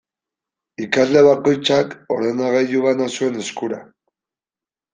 Ikasle bakoitzak ordenagailu bana zuen eskura.